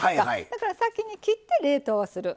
だから先に切って冷凍する。